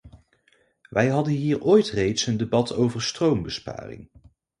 Wij hadden hier ooit reeds een debat over stroombesparing.